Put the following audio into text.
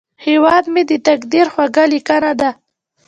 هیواد مې د تقدیر خوږه لیکنه ده